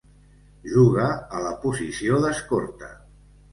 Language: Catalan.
Juga a la posició d'escorta.